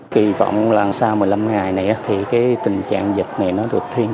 kỳ vọng là sau một mươi năm ngày này thì tình trạng dịch này được thiên dạy